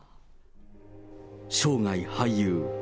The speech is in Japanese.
生涯俳優。